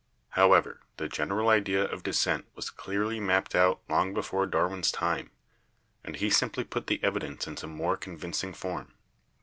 However, the gen eral idea of descent was clearly mapped out long before Darwin's time and he simply put the evidence into more convincing form.